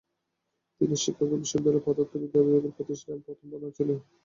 তিনি শিকাগো বিশ্ববিদ্যালয়ের পদার্থবিদ্যা বিভাগের প্রতিষ্ঠাতা এবং প্রথম প্রধান ছিলেন।